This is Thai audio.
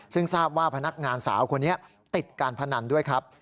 ซึ่งทราบว่าพนักงานสาวคนนี้ติดการพนันด้วยครับ